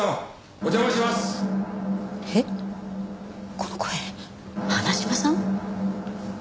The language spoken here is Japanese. この声花島さん？